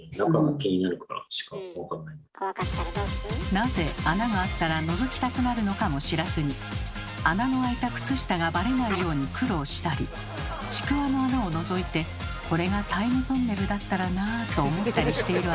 なぜ穴があったらのぞきたくなるのかも知らずに穴のあいた靴下がバレないように苦労したりちくわの穴をのぞいて「これがタイムトンネルだったらな」と思ったりしているあなた。